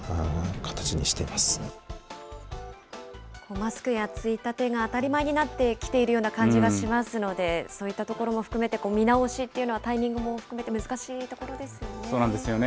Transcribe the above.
マスクやついたてが当たり前になってきている感じはしますので、そういったところも含めて、見直しというのはタイミングも含そうなんですよね。